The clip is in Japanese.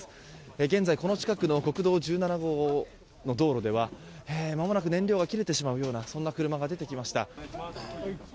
現在、この近くの国道１７号の道路ではまもなく燃料が切れてしまうそんな車が出てきました。